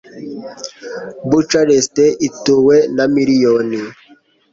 Bucharest ituwe na miliyoni